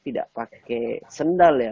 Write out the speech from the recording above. tidak pakai sendal ya